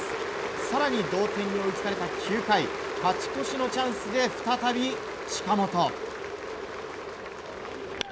更に、同点に追いつかれた９回勝ち越しのチャンスで再び近本。